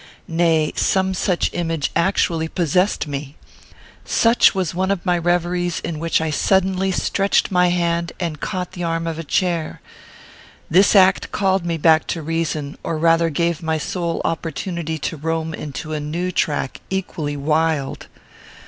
Nay, some such image actually possessed me. Such was one of my reveries, in which suddenly I stretched my hand, and caught the arm of a chair. This act called me back to reason, or rather gave my soul opportunity to roam into a new track equally wild.